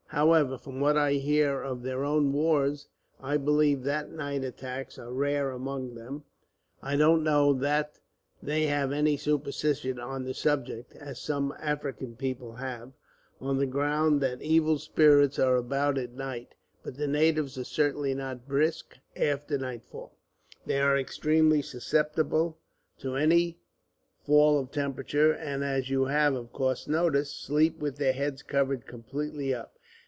However, from what I hear of their own wars, I believe that night attacks are rare among them. I don't know that they have any superstition on the subject, as some African people have, on the ground that evil spirits are about at night; but the natives are certainly not brisk, after nightfall. They are extremely susceptible to any fall of temperature, and as you have, of course, noticed, sleep with their heads covered completely up.